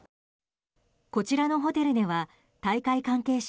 こちらのホテルでは大会関係者